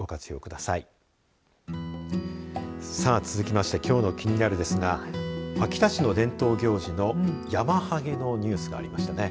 さあ続きましてきょうのキニナル！ですが秋田市の伝統行事のヤマハゲのニュースがありましたね。